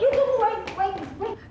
you tunggu wait